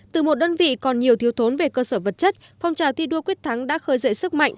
từ một đơn vị còn nhiều thiếu thốn về cơ sở vật chất phong trào thi đua quyết thắng đã khơi dậy sức mạnh